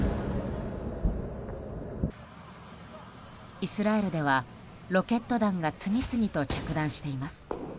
イスラエルでは、ロケット弾が次々と着弾しています。